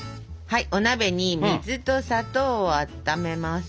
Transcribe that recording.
はいお鍋に水と砂糖をあっためます。